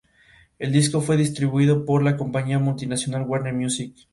Ocasionalmente incursionó en la dirección teatral.